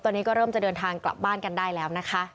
ตอนนี้ก็เริ่มจะเดินทางกลับบ้านกันได้แล้วนะคะ